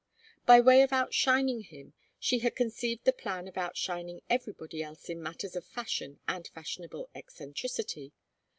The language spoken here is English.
By way of outshining him, she had conceived the plan of outshining everybody else in matters of fashion and fashionable eccentricity.